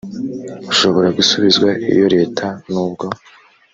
ushobora gusubizwa iyo leta nubwo